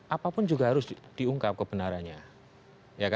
apapun juga harus diungkap kebenarannya